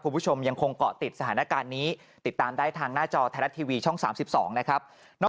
คุณผู้ชมยังคงเกาะติดสถานการณ์นี้ติดตามได้ทางหน้าจอไทยรัฐทีวีช่อง๓๒นะครับ